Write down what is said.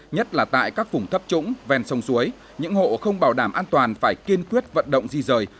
nhất là tại các phùng thấp trũng ven sông suối những hộ không bảo đảm an toàn phải kiên quyết vận động di rời